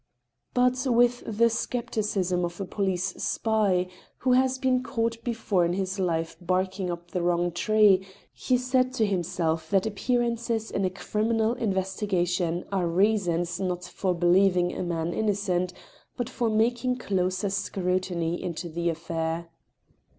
But with the skepticism of a police spy who has been caught be fore in his life barking up the wrong tree, he said to himself that appearances in a criminal investigation are reasons, not for believing a man innocent, but for making closer scrutiny into the affair.